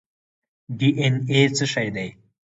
ډي این اې څه شی دی؟